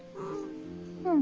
うん。